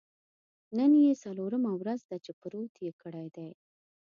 نن یې څلورمه ورځ ده چې پروت یې کړی دی.